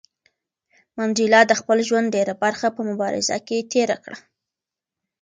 منډېلا د خپل ژوند ډېره برخه په مبارزه کې تېره کړه.